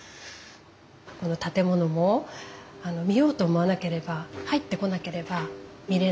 この建物も見ようと思わなければ入ってこなければ見れない。